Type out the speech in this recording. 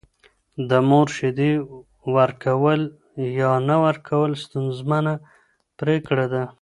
د مور شیدې ورکول یا نه ورکول ستونزمنه پرېکړه ده.